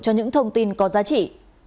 cho các thông tin có giá trị